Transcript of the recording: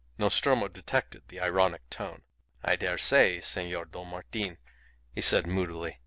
Nostromo detected the ironic tone. "I dare say, Senor Don Martin," he said, moodily.